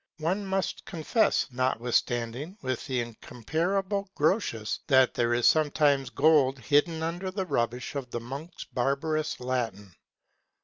One must confess, notwithstanding, with the incomparable Grotius, that there is sometimes gold hidden under the rubbish of the monks' barbarous Latin.